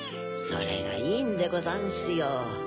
それがいいんでござんすよ